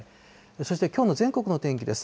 そしてきょうの全国の天気です。